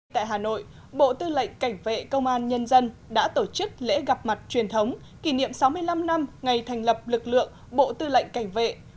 tại hà nội bộ tư lệnh cảnh vệ công an nhân dân đã tổ chức lễ gặp mặt truyền thống kỷ niệm sáu mươi năm năm ngày thành lập lực lượng bộ tư lệnh cảnh vệ